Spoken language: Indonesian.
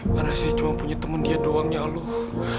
karena saya cuma punya teman dia doang ya allah